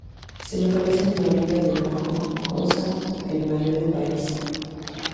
Se localiza en la orilla oriental del lago Mjøsa, el mayor del país.